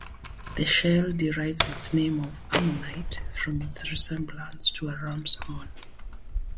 The shell derives its name of ammonite from its resemblance to a ram's horn.